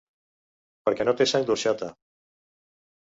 Perquè no té sang d’orxata.